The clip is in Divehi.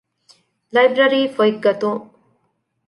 ލައިބްރަރީފޮތް ގަތުން